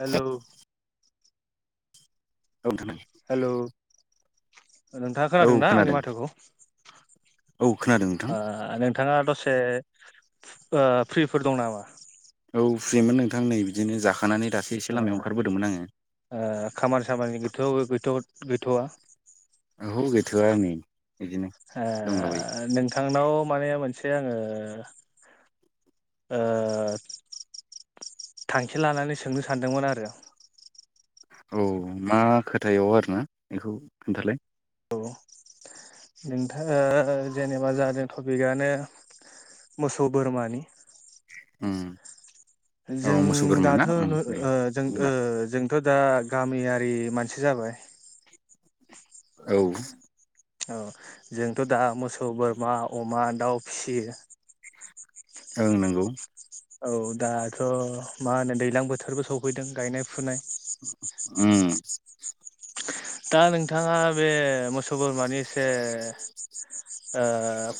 Hello hello [inaudible] नोंथाङा खोनादों ना आंनि माथोखौ? औ खोनादों नोंथां ओ नोंथाङा दस से ओ फ्रिफोर दं नामा? औ फ्रिमोन नोंथां नै बिदिनो जाखानानै दासो एसे ओ लामायाव ओंखारबोदोंमोन आङो ओ खामानि सामानि गैथ'-गैथ'-गैथ'आ। औ गैथ'आ नै ओ नोंथां नाव माने मोनसे आङो ओ थांखि लानानै सोंनो सानदोंमोन आरो। औ मा खोथायाव आरोना बेखौ खोन्थालाय औ नोंथांङा जेनेबा जादों टपिकआनो मोसौ बोरमानि उम औ जों मोसौ बोरमा ना दाथ' उम न' दे ओ जों ओ बुंना जोंथ' दा गामिया रि मानसि जाबाय। औ औ जोंथ' दा मोसौ बोरमा अमा दाउ फिसियो। ओं नांगौ। औ दाथ' मा होनो दैज्लां बोथोरबो सफैदों गायनाय फुनाय। उम। दा नोंथाङा बे मो सबर माने एसे ओ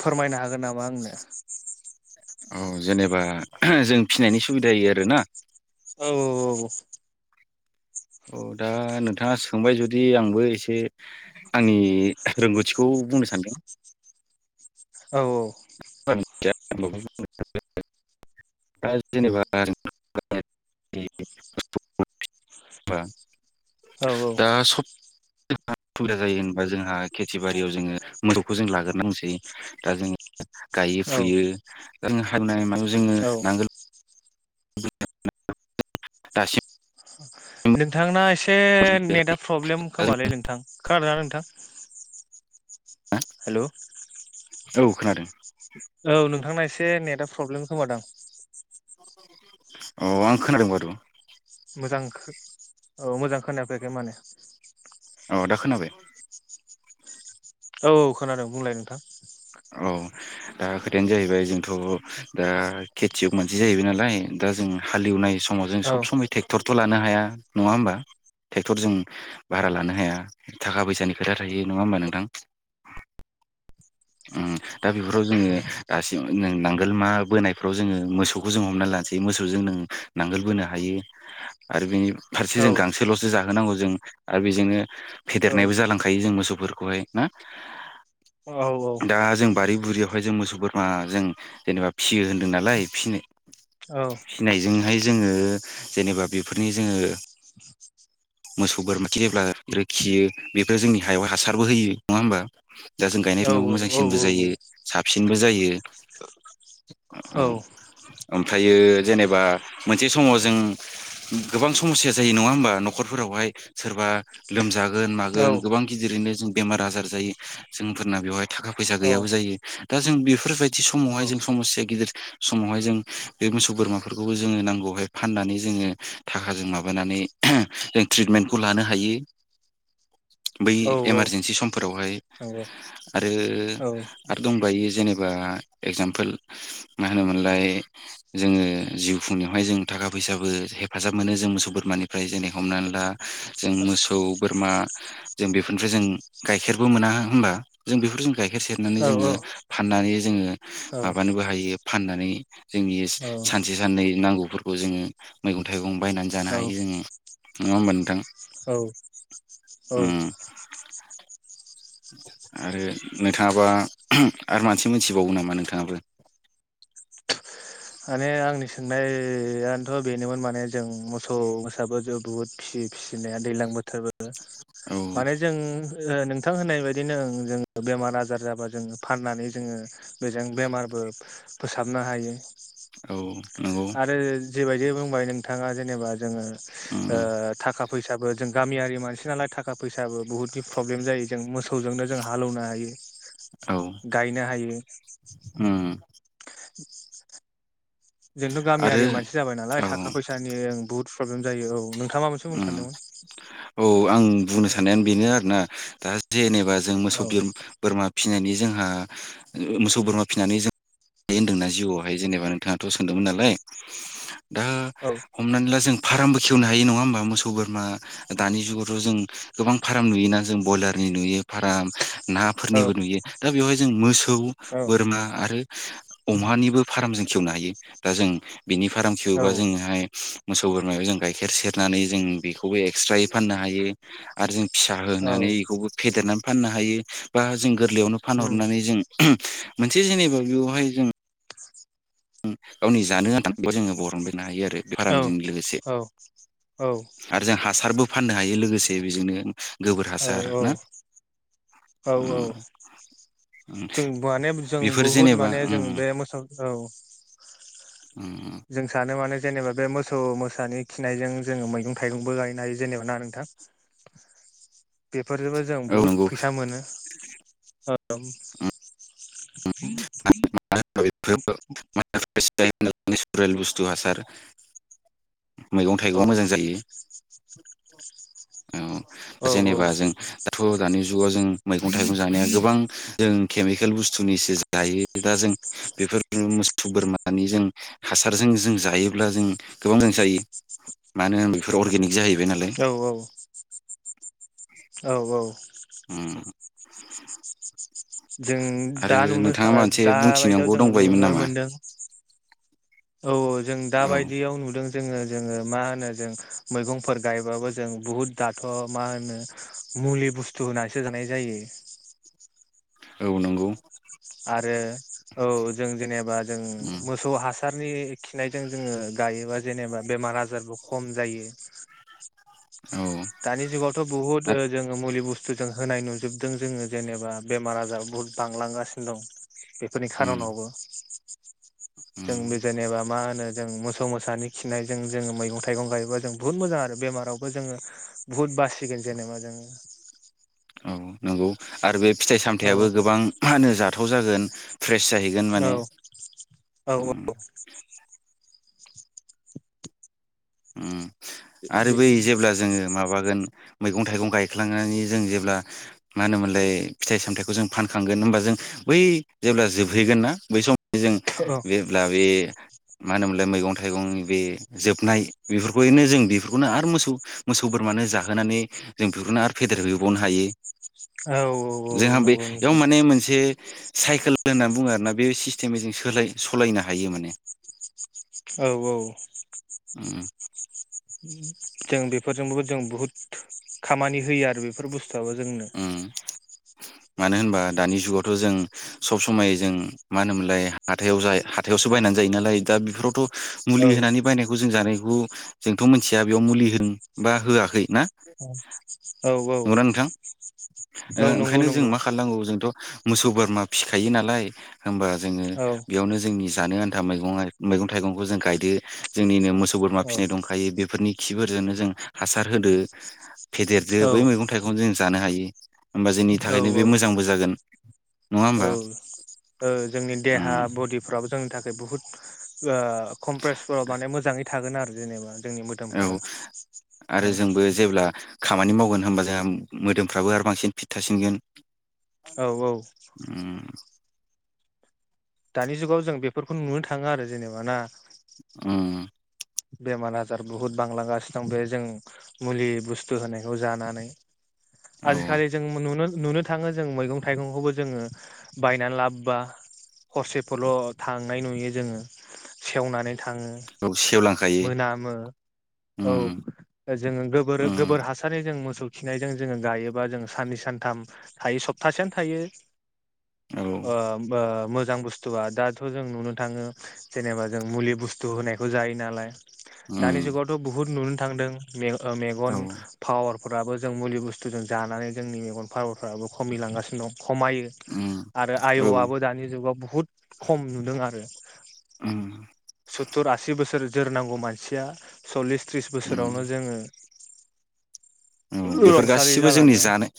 फोरमायनो हागोन नामा आंनो। औ जेनेबा जों फिनायनि सुबिदायै आरो ना। औ औ औ औ। औ दा नोंथाङा सोंबाय जुदि आंबो एसे आंनि रोंगौथिखौ बुंनो सानदों [unintelligible] औ औ। [unintelligible] [unintelligible] औ [unintelligible] [unintelligible] सुबिदा जायो होनबा जोंहा खेथि बारियाव जोङो मोसौखौ जों लाग्रोनांसै दा जों गायो औ फुयो ओं हावनाय जोङो औ नांगोल [unintelligible] नोंथांना एसे नेटा प्रब्लेम खोमालै नोंथां। खोनादोंना नोंथां। हेलौ। औ खोनादों। औ नोंथांना एसे नेटआ प्रब्लेम खोमादां। अ' आं खोनादोंं माथ'। मोजां खो औ मोजां खोनाफैयाखै माने। अ' दा खोनाबाय। औ खोनादों बुंलाय नोंथां। औ दा खोथायानो जाहैबाय जोंथ' दा खेथियग मानसि जाहैबाय नालाय दा जों हालेवनाय समाव जों औ सब समाय टेक्टरथ' लानो हाया। हाया नङा होमबा। ट्रेक्टर जों भारा लानो हाया थाखा फैसानि खोथा थायो नङा होमबा नोंथां। [inaudible] उम दा बेफोराव जोङो दासिम नांगोल मा बोनायफ्राव जोङो मोसौखौ जों हमनानै लानोसै मोसौजों जों नों नांगोल बोनो हायो आरो बेनि फारसे औ जों गांसोल'सो जाहोनांगौ जों आरो बेजोंनो औ फेदेरनायबो जालांखायो जों मोसौफोर खौहाय ना। औ दा जों बारि बुरियावहाय जों मोसौ बोरमा जों जेनेबा फियो होनदों नालाय फिनो औ। फिनायजोंहाय जोङो जेनेबा बेफोरनि जोङो [inaudible] मोसौ बोरमा फिसियोब्ला ओमफ्राय खियो बेफोरो जोंनि हायाव हासारबो होयो नङा होमबा। दा जों गायनाय औ फुनायाव मोजांसिनबो औ जायो साबसिनबो जायो। औ ओमफ्रायो जेनेबा मोनसे समाव जों गोबां समस्या जायो नङा होमबा न'खरफोरावहाय सोरबा लोमजा गोन मागोन गोबां गिदिरैनो जों बेमार आजार जायो जोंफोरना बेवहाय थाखा फैसा औ गैयाबो जायो। दा जों बेफोरबायदि औ समावहाय जों समस्या गिदिर समावहाय जों बे मोसौ बोरमाफोरखौबो जोङो नांगौहाय फाननानै जोङो थाखाजों माबानानै जों ट्रिटमेन्टखौ लानो हायो। [inaudible] बै औ नंगौ एमारजेन्सि समफोरावहाय आरो औ आरो दंबावो जेने जेबा एगजामपोल मा होनोमोनलाय जोङो जिउ खुंनायावहाय जों थाखा फैसाबो हेफाजाब मोनो जों मोसौ बोरमानिफ्राय जेरै हमनानै ला जों मोसौ बोरमा जों बेफोरनिफ्राय जों गाइखेरबो मोना होमबा? जों बेफोर जों गाइखेर सेरनानै औ जोङो फाननानै जोङो औ माबानोबो हायो फाननानै जोंनि सानसे साननै नांगौफोरखौ जोङो मैगं-थाइगं बायनानै जानो हायो जोङो नङा होनबा‌ नोंथां? औ औ उम आरो नोंथाङाबा आरो मानसि मोनथिबावो नामा नोंथाङाबो। आरो आंनि सोंनायानोथ' बेनोमोन माने जों मोसौ मोसाबो जों बुहुद फिसियो फिसिनाया दैज्लां बो थोरबो औ माने जों ओ नोंथां होननाय बायदिनो जोङो बेमार आजार जाबा जोङो फाननानै जोङो बेजों बेमारबो फोसाबनो हायो। औ नंगौ। जिबायदि बुंबाय नोंथाङा जेनेबा जोङो ओ उम थाखा फैसाबो जों गामियारि मानसि नालाय थाखा फैसाबो बुहुतनि प्रब्लेम जायो जों मोसौ जोंनो जों हालेवनो हायो औ गायनो हायो। उम जोंथ' आरो गामियारि मानसि जाबाय नालाय औ थाखा फैसानि बुहुथ प्रब्लेम जायो औ। नोंथाङा माबा मोनसे बुंनो उम सानदोंमोन? औ आं बुंनो साननायानो बेनो आरोना दा जेनेबा जों औ मोसौ बोरमा फिसिनानै जोंहा मोसौ बोरमा फिसिनानै जों बे होन्दोंना जिवावहाय जेनेबा नोंथाङाथ' सोंदोंमोन नालाय। दा हमनानै ला जों फारामबो खेवनो हायो नङा होमबा। मोसौ बोरमा दानि जुगावथ' जों गोबां फाराम नुयोना जों ब्रयलारनि नुयो फाराम नाफोरनिबो नुयो दा बेवहाय जों मोसौ औ बोरमा आरो अमानिबो फार्म जों खेवनो हायो दा जों बिनि फाराम औ खेवोबा जोंहाय मोसौ बोरमाखौ जों गाइखेर सेरनानै जों बेखौबो एक्सट्रायै फाननो हायो आरो जों फिसा औ होनानै बेखौबो फेदेरनानै फाननो हायो बा जों गोरलैयावनो उम फानहरनानै जों मोनसे जेनेबा बेयावहाय जों ओम‌ गावनि जानो जानो आनथाखौ जोङोबरनबायनो हायो आरो बे औ फारामजों लोगोसे औ आरो जों हासारबो फाननो हायो लोगोसे बेजोंनो। गोबोर औ हासार ना। औ औ उम उम जों माने जों बेफोर बुहुद जेनेबा माने उम जों बे मोसौ औ उम जों सानो माने जेनेबा बे मोसौ मोसानि खिनायजों जोङो मैगं-थाइगंबो गायनो हायो जेनेबा ना नोंथां? बेफोरजोंबो जों औ बहुत नंगौ फैसा मोनो ओ [inaudible] [inaudible] नेचुरेल बुस्थु सार। औ मैगं-थाइगंआ मोजां जायो। औ औ दा जेनेबा जों दाथ' दानि जुगाव जों मैगं-थाइगं जानाया गोबां जों केमिकेल बुस्थुनिसो जायो। दा जों बेफोर मोसौ, बोरमानि जों हासारजों जों जायोब्ला जों गोबां जों गोबां जायो मानो होना बेफोर अर्गेनिक। जाहैबाय नालाय औ औ। औ औ। ओम जों दा नुनो मोनसे दा बायदियाव बुंथिनांगौ जोङो दंबायोमोन नुनो नामा मोनदों। औ जों औ दााबायदियाव नुदों। जोङो जोङो मा होनो जों मैगंफोर गायबाबो जों बुहुत दाथ' माहोनो। मुलि बुस्थु होनानैसो जानाय जायो। औ नंगौ। आरो औ जों जेनेबा जों उम मोसौ हास सारनि खिनायजों जोङो गायोबा जेनेबा बेमार आजारबो खम जायो। औ दानि जुगावथ' बुहुथ आरो जोङो मुलि बुस थु जों होनाय नुजोबदों जोङो जेनेबा बेमार आजार बुहुद बांलांगासिनो दं। बेफोरनि उम खार'नावबो जों उम बे जेनेबा मा होन नो जों मोसौ मोसानि खिनायजों जोङो मैगं थाइगं गायोब्ला जों बुहुत मोजां आरो बेमारावबो जोङो भहुत बाससिगोन जेनेबा जों। औ नंगौ आरो बे फिथाइ औ सामथायाबो गोबां मा होनो जाथाव जागोन। फ्रेस जाहैगोन माने औ औ ओम। ओम आरो बे बै जेब्ला जोङो माबागोन मैगं थाइगं गायख्लांनानै जों जेब्ला मा होनोमोनलाय फिथाइ सामथायाइखौ जों फानखांगोन होमबा जों बै जेब्ला जोबहैगोन ना बै सम जों औ जेब्ला बे मा होनोमोनलाय मैगं थाइगंनि बे जोबनाय बेफोरखौनो जों बेफोरखौनो आरो मोसौ मोसौ बोरमानो जाहोनानै जों बेफोरखौनो आरो फेदेरहैबावनो हायो। औ जोंहा नंगौ बेयाव नोंथां माने मोनसे साइकेल होनना बुङो आरोना बे सिस्टेमै जों सोलाय सालायनो हायो माने। औ औ। ओम। जों बेफोरजोंबो जों बहुद खामानि होयो आरो बेफोर बुस्थुआबो जोंनो। उम मानो होनबा दानि जुगावथ' जों सब समायै जों मा होनोमोनलाय हाथायाव जाय हाथायावसो बायनानै जायो नालाय दा बेफोरावथ' मुलि औ होनानै बायनायखौ जों जानायखौ जोंथ' मोनथिया बेयाव मुलि होन बा होआखै ना? औ औ। ओ नंगौ ओंखायनो जों नंगौ मा खालामनांगौ जोंथ' मोसौ बोरमा फिखायो नालाय होमबा जोङो औ बेयावनो जोंनि जानो आनथा मैगं आर मैगं थाइगंखौ जों गायदो जोंनिनो मोस सौबोरमा औ फिसिनाय दंखायो बेफोरनि खिफोरजोंनो जों हासार होदो। फेदेरदो औ बै मैगं थाइगं जों जानो हायो होमबा जोंनि थाखायनो औ बे मोजांबो जागोन। नङा औ होमबा ओ जोंनि देहा उम बदिफ्राबो जोंनि थाख खाय बुहुत ओ कमप्रेसफोराव माने मोजाङै थागोन आरो जेनेबा। जोंनि औ मोदोमफोरा आरो औ। जोंबो जेब्ला खामानि मावगोन होनबा जोंहा मोदोमफ्राबो आरो बांसिन फिट थासिनगोन। औ औ। उम दानि जुगाव जों बेफोरखौ नुनो थाङो आरो जेनेबा ना। उम। बेमार आजार बुहुद बांलांगासिनो दं बे जों मुलि बुसथु होनायखौ जानानै। औ आजिखालि जों मो नुनो नुनो थाङो जों मैगं थाइगंखौबो जोङो बायनानै लाबबा हरसेफोरल' थांनाय नुयो जोङो सेवनानै थाङो औ सेवलां मोनामो औ जोङो गोबोर उम गोबोर हासारनि जों मोसौ खिनायजों जोङो गायोबा जों साननै सानथाम थायो सप्तासेयानो थायो। औ अ होमबा मोजां बुसथुआ दाथ' जों नुनो थाङो जेनेबा जों मुलि बुसथु होनायखौ जायो नालाय दानि उम जुगावथ' बुहुत नुनो थांदों मे-ओ औ मेगन उम फावार फोराबो जों मुलि बुस्थुजों जानानै जोंनि मेगन फावारफ्राबो खमिलांगासिनो दं। खमायो आरो औ आयुवाबो दानि जुगाव बहुद खम नुदों आरो। [inaudible] उम सुततुर आसि बोसोर जोरनांगौ मानसिया सललिस थ्रिस बोसोरावनो जोङो उम बेफोर रुंसारि गासिबो जोंनि जालाङो जानाय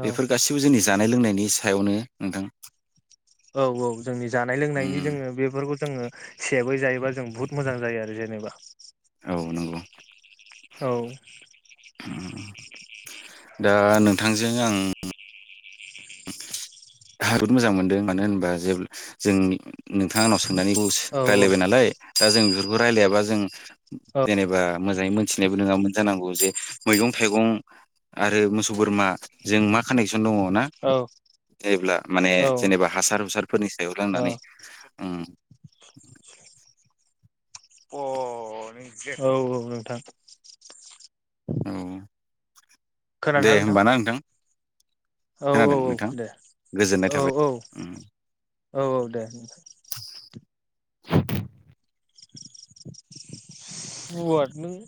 औ बेफोर गासिबो जोंनि जानाय लोंनायनिसो सायावनो नोंथां औ औ जोंनि जानाय लोंनायनि उम जोङो बेफोरखौ जोङो सेब बै जायोबा जों बहुत मोजां जायो आरो जेनेबा औ नंगौ औ दा नोंथांजों आं हारत मोजां मोनदों मानो होनोबा जेब्ला जोंनि नोंथाङा आंनाव सोंनानै औ औ रायलायबाय नालाय दा जों बेफोरखौ रायलायाबा जों औ जेनेबा मोजाङै मोन मोनथिनायबो नङामोन जानांगौ जे मैगं थाइगं आरो मोसौ बोरमा जों मा कानेकसन दङ ना औ जायोब्ला माने औ ओ जेनेबा हासार हुसारफोरनि सायाव रोंनानै औ उम [inaudible] अ नोंसो औ औ नोंथां औ दे होमबाना नोंथां औ औ खोनादों औ नोंथां दे गोजोननाय औ थाबाय औ उम औ औ दे [inaudible] सुवाद नों